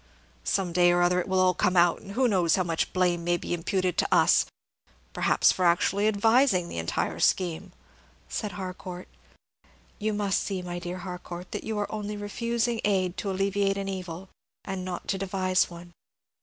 Some day or other it will all come out, and who knows how much blame may be imputed to us, perhaps for actually advising the entire scheme," said Harcourt. "You must see, my dear Harcourt, that you are only refusing aid to alleviate an evil, and not to devise one.